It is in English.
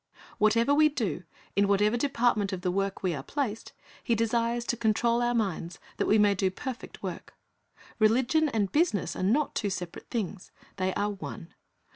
Whatever we do, in whatever department of the work we are placed, He desires to control our minds, that we may do perfect work. Religion and business are not two separate things; they are one.